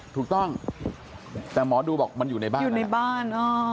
ถูกต้องแต่หมอดูบอกมันอยู่ในบ้านอยู่ในบ้าน